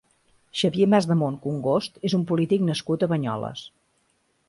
Xavier Masdemont Congost és un polític nascut a Banyoles.